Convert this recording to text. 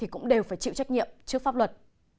cũng đều phải chịu trách nhiệm trước pháp luật